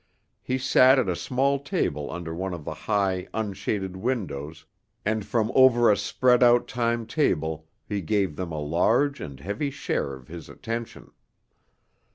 He sat at a small table under one of the high, unshaded windows, and from over a spread out time table he gave them a large and heavy share of his attention.